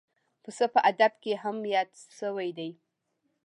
پسه په ادب کې هم یاد شوی دی.